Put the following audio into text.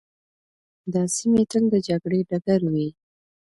دا سیمي تل د جګړې ډګر وې.